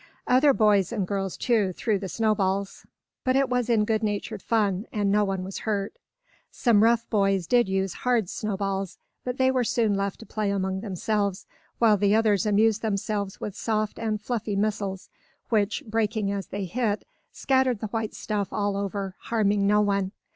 Other boys and girls too, threw the snowballs, but it was in goodnatured fun, and no one was hurt. Some rough boys did use hard snowballs, but they were soon left to play among themselves, while the others amused themselves with soft and fluffy missiles, which, breaking as they hit, scattered the white stuff all over, harming no one.